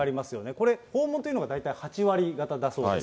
これ、訪問というのが大体８割方だそうです。